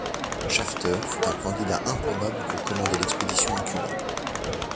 Shafter fut un candidat improbable pour commander l'expédition à Cuba.